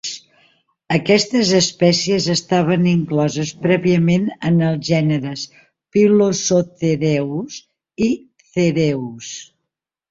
Aquestes espècies estaven incloses prèviament en els gèneres "Pilosocereus" i "Cereus".